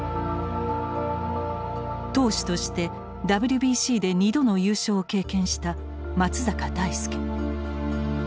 投手としてＷＢＣで２度の優勝を経験した松坂大輔。